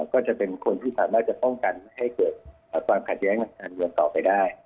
ก็จะเป็นคนที่สามารถจะป้องกันให้เกิดความขาดเยี่ยมของคุณต่อไปได้